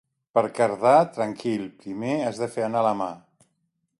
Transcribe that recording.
Per cardar, tranquil, primer has de fer anar la mà.